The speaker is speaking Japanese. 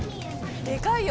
でかいよ。